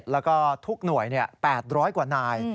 แล้วก็ทุกหน่วย๘๐๐กว่านาย